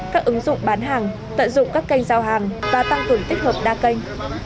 các ứng dụng bán hàng tận dụng các kênh giao hàng và tăng cường tích hợp đa kênh